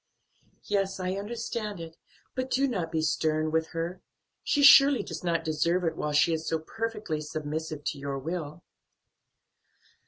"Yes, I understand it, but do not be stern with her; she surely does not deserve it while she is so perfectly submissive to your will."